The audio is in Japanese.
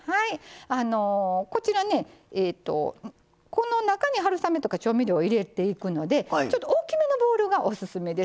こちらねこの中に春雨とか調味料を入れていくのでちょっと大きめのボウルがオススメです。